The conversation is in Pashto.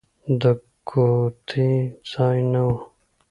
د ګوتې ځای نه و.